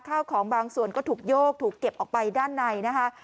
ข้าวของบางส่วนก็ถูกโยกถูกเก็บออกไปด้านในนะคะ